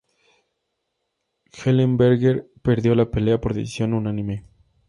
Ellenberger perdió la pelea por decisión unánime.